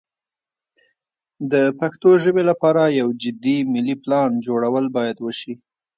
د پښتو ژبې لپاره یو جدي ملي پلان جوړول باید وشي.